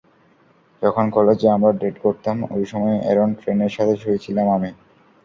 যখন কলেজে আমরা ডেট করতাম, অই সময়ে অ্যারন ট্রেনের সাথে শুয়েছিলাম আমি!